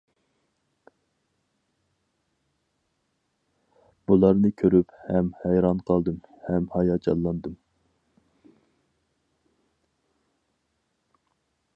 بۇلارنى كۆرۈپ ھەم ھەيران قالدىم، ھەم ھاياجانلاندىم.